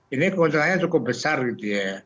ini keuntungannya cukup besar gitu ya